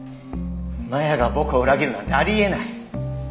真弥が僕を裏切るなんてあり得ない。